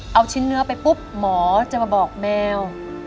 เอาชิ้นเนื้อไปปุ๊บหมอจะมาบอกแมว